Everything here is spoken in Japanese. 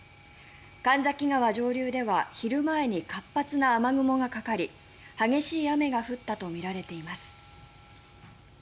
神崎川上流では昼前に活発な雨雲がかかり激しい雨が降ったとみられています。